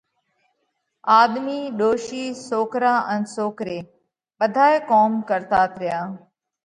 آۮمِي، ڏوشي، سوڪرا ان سوڪري ٻڌائي ڪوم ڪرتات ريا۔